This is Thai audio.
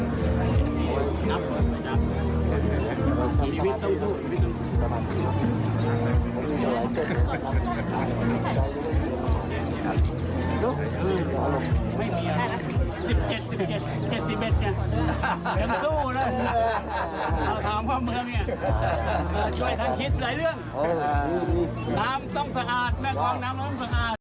ตามต้องสะอาดแม่ความน้ำต้องสะอาด